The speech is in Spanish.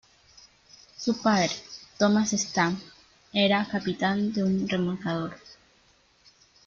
Su padre, Thomas Stamp, era capitán de un remolcador.